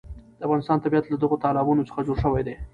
د افغانستان طبیعت له دغو تالابونو څخه جوړ شوی دی.